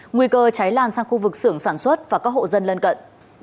nguy cơ cháy lan sang khu vực xưởng sản xuất và các hộ dân lân cận